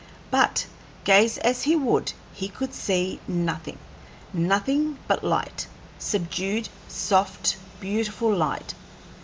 But, gaze as he would, he could see nothing nothing but light; subdued, soft, beautiful light.